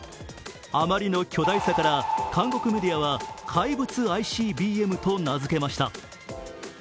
あまりの巨大さから韓国メディアは怪物ＩＣＢＭと名付けました。